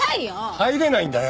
入れないんだよ！